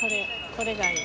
これがいい。